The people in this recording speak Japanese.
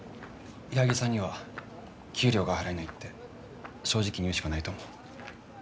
・矢作さんには給料が払えないって正直に言うしかないと思う。